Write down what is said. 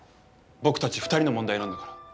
僕たち２人の問題なんだから。